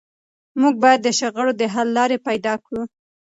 موږ باید د شخړو د حل لارې پیدا کړو.